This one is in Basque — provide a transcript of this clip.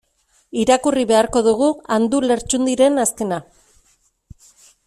Irakurri beharko dugu Andu Lertxundiren azkena.